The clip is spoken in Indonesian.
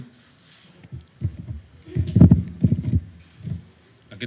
oke terima kasih pak